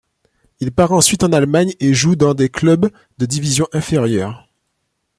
Il part ensuite en Allemagne et joue dans des clubs de division inférieure.